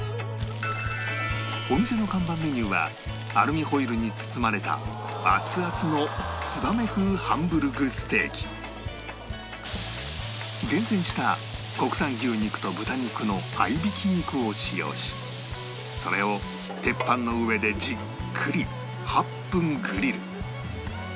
お店の看板メニューはアルミホイルに包まれた熱々の厳選した国産牛肉と豚肉の合いびき肉を使用しそれを鉄板の上でじっくり８分グリル